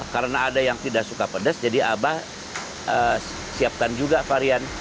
karena ada yang tidak suka pedes jadi abah siapkan juga varian